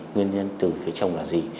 nguyên nhân từ phía chồng là gì